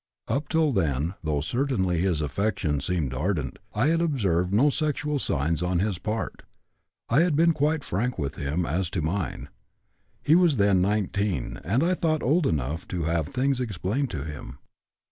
Up till then, though certainly his affection seemed ardent, I had observed no sexual signs on his part. I had been quite frank with him as to mine. He was then 19, and I thought old enough to have things explained to him.